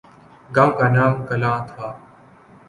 گاؤں کا نام کلاں تھا ۔